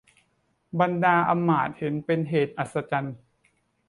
บรรดาอำมาตย์เห็นเป็นเหตุอัศจรรย์